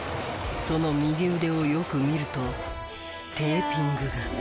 その右腕をよく見るとテーピングが。